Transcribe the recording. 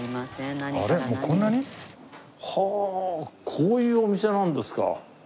こういうお店なんですか！